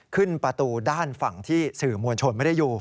ขึ้นประตูด้านฝั่งที่สื่อมวลชนไม่ได้อยู่